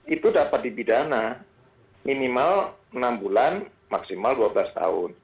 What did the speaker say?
itu dapat dibidana minimal enam bulan maksimal dua belas tahun